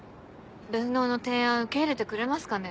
分納の提案受け入れてくれますかね？